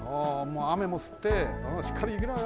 あめもすってしっかりいきろよ。